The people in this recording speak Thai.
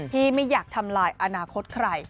ไม่อยากทำลายอนาคตใคร